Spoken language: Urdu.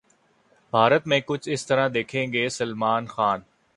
بھارت 'میں کچھ اس طرح دکھیں گے سلمان خان'